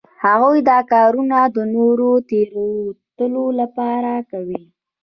هغوی دا کارونه د نورو د تیروتلو لپاره کوي